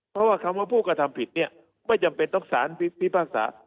เพราะว่าคำว่าผู้กระทำผิดเนี่ยไม่จำเป็นต้องสารพิพากษา